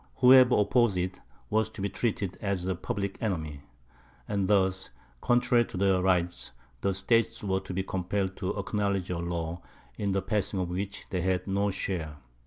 Whoever opposed it, was to be treated as a public enemy; and thus, contrary to their rights, the states were to be compelled to acknowledge a law, in the passing of which they had no share.